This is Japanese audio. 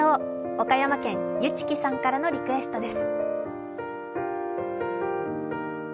岡山県・ゆちきさんからのリクエストです。